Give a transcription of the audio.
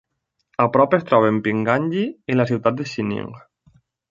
A prop es troben Pinganyi i la ciutat de Xining.